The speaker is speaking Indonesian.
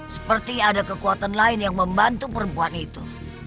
seperti ada kekuatan lain yang membantu perempuan itu